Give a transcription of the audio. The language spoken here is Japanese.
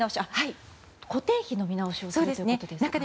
固定費の見直しをということですか。